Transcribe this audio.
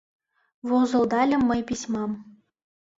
Возылдальым мый письмам.